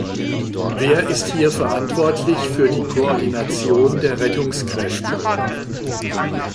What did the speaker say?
Wer ist hier verantwortlich für die Koordination der Rettungskräfte?